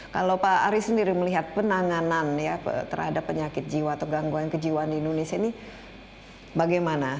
kalau pak aris sendiri melihat penanganan terhadap penyakit jiwa atau gangguan kejiwaan di indonesia ini bagaimana